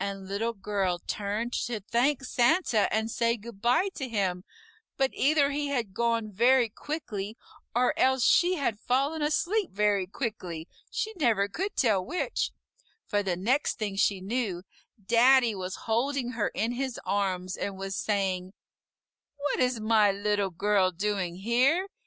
And Little Girl turned to thank Santa and say goodbye to him, but either he had gone very quickly, or else she had fallen asleep very quickly she never could tell which for the next thing she knew, Daddy was holding her in his arms and was saying, "What is my Little Girl doing here?